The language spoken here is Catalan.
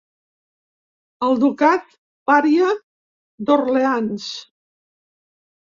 El Ducat-paria d'Orleans.